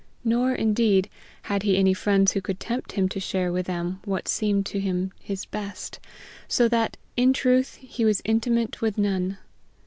Nor, indeed, had he any friends who could tempt him to share with them what seemed to him his best; so that, in truth, he was intimate with none.